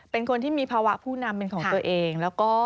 เป็นคนที่มีภาวะผู้นำเป็นของตัวเองแล้วก็